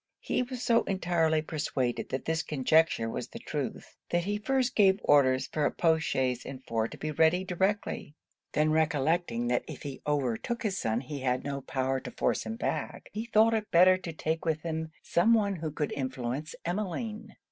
He was so entirely persuaded that this conjecture was the truth, that he first gave orders for a post chaise and four to be ready directly; then recollecting that if he overtook his son he had no power to force him back, he thought it better to take with him some one who could influence Emmeline.